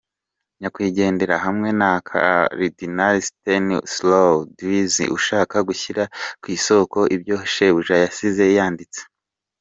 nyakwigendera, hamwe na Karidinali Stanislaw Dziwisz ushaka gushyira ku isoko ibyo shebuja yasize yanditse.